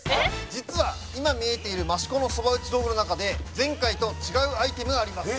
実は今見えている益子のそば打ち道具の中で前回と違うアイテムがあります。